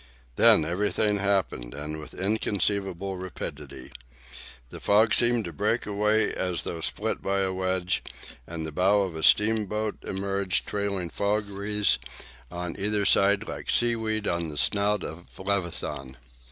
Then everything happened, and with inconceivable rapidity. The fog seemed to break away as though split by a wedge, and the bow of a steamboat emerged, trailing fog wreaths on either side like seaweed on the snout of Leviathan.